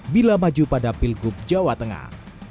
bila maju pada pilgub jawa tengah